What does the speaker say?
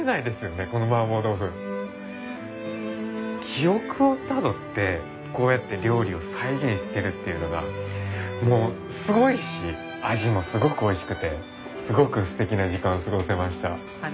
記憶をたどってこうやって料理を再現してるっていうのがもうすごいし味もすごくおいしくてすごくすてきな時間を過ごせました。